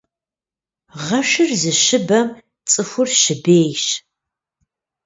Гъэшыр зыщыбэм цӀыхур щыбейщ.